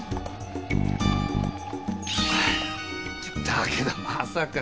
だけどまさか！